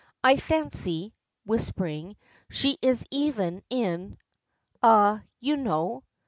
I fancy," whispering, "she is even in eh? you know."